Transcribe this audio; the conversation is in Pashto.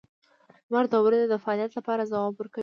• لمر د ورځې د فعالیت لپاره ځواب ورکوي.